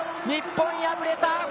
日本敗れた。